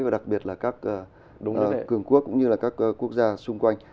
và đặc biệt là các cường quốc cũng như là các quốc gia xung quanh